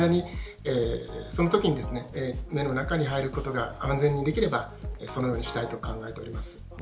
そのときに目の中に入ることが安全にできれば、そのようにしたいと考えております。